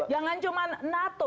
jangan cuma nato